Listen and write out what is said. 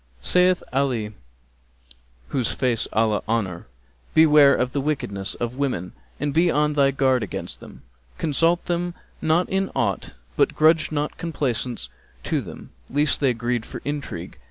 Saith Ali (whose face Allah honour!), 'Beware of the wickedness of women and be on thy guard against them: consult them not in aught;[FN#264] but grudge not complaisance to them, lest they greed for intrigue.'